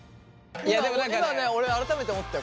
今ね俺改めて思ったよ。